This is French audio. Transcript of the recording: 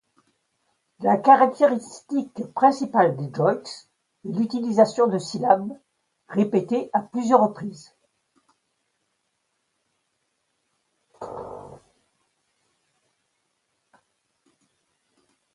La caractéristique principale des joiks est l’utilisation de syllabes répétées à plusieurs reprises.